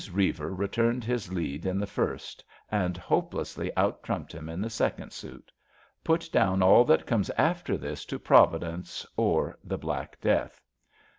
Reiver returned his lead in the first, and hopeless ly out trumped him in the second suit. Put down all that comes after this to Providence or The Black Death.